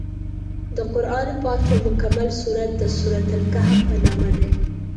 د قران پاک یو مکمل سورت د سورت الکهف په نامه دی.